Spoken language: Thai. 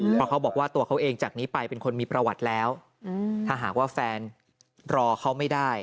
เพราะเขาบอกว่าตัวเขาเองจากนี้ไปเป็นคนมีประวัติแล้วถ้าหากว่าแฟนรอเขาไม่ได้